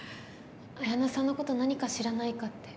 あやなさんのこと何か知らないかって。